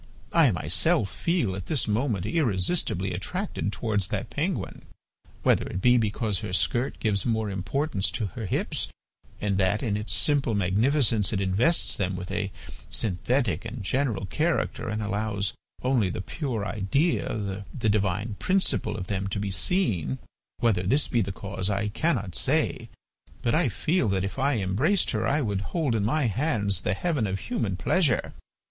I myself feel at this moment irresistibly attracted towards that penguin. Whether it be because her skirt gives more importance to her hips, and that in its simple magnificence it invests them with a synthetic and general character and allows only the pure idea, the divine principle, of them to be seen, whether this be the cause I cannot say, but I feel that if I embraced her I would hold in my hands the heaven of human pleasure.